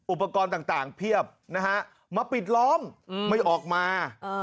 อุปกรณ์ต่างต่างเพี้ยบนะฮะมาปิดล้อมอืมไม่ออกมาเออ